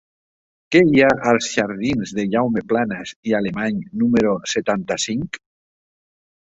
Què hi ha als jardins de Jaume Planas i Alemany número setanta-cinc?